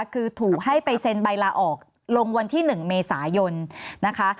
คือถูกให้ไปเซ็นใบลาออกลงวันที่๑เมษายนนะคะ